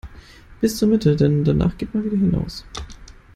Bis zur Mitte, denn danach geht man wieder hinaus.